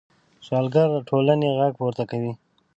سوالګر د ټولنې غږ پورته کوي